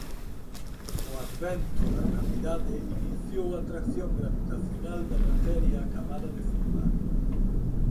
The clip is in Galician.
O advento da gravidade iniciou a atracción gravitacional da materia acabada de formar.